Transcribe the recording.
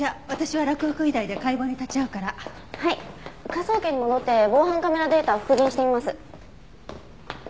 科捜研に戻って防犯カメラデータを復元してみます。